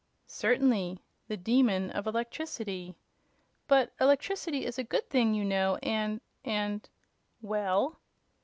"Certainly. The Demon of Electricity." "But electricity is a good thing, you know, and and " "Well?"